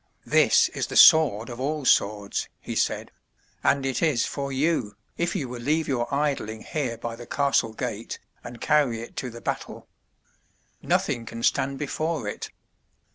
*'This is the sword of all swords,'' he said, *'and it is for you, if you will leave your idling here by the castle gate, and carry it to the battle. Nothing can stand before it.